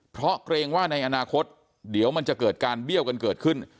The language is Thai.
เพราะเกรงว่าในอนาคตเดี๋ยวมันจะเกิดการเบี้ยวกันเกิดขึ้น